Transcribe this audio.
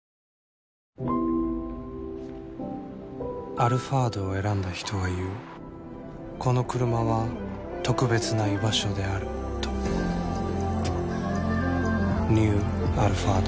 「アルファード」を選んだ人は言うこのクルマは特別な居場所であるとニュー「アルファード」